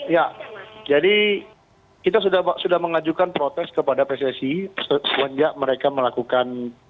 ya jadi kita sudah mengajukan protes kepada pssi semenjak mereka melakukan